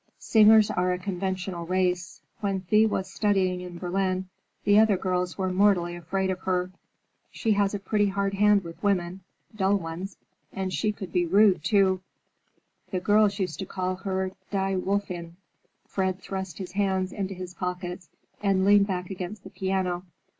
Singers are a conventional race. When Thea was studying in Berlin the other girls were mortally afraid of her. She has a pretty rough hand with women, dull ones, and she could be rude, too! The girls used to call her die Wölfin." Fred thrust his hands into his pockets and leaned back against the piano.